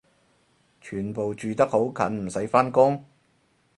全部住得好近唔使返工？